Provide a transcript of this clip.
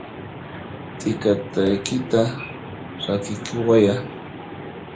T'ikaykitaqa rakiykuwayyá!